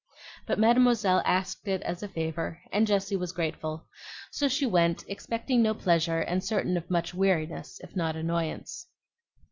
But Mademoiselle asked it as a favor, and Jessie was grateful; so she went, expecting no pleasure and certain of much weariness, if not annoyance.